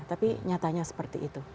tapi nyatanya seperti itu